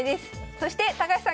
そして高橋さん